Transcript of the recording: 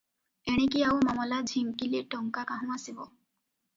ଏଣିକି ଆଉ ମାମଲା ଝିଙ୍କିଲେ ଟଙ୍କା କାହୁଁ ଆସିବ?